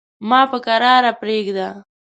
ما په کراره پرېږده.